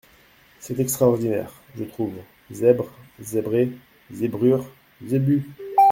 C’est extraordinaire ! je trouve zèbre, zébré, zébrure, zébu !…